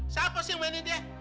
siapa sih yang mainin dia